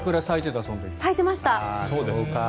咲いてました。